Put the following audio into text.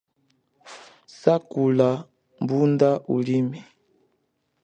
Sangula munda ulime.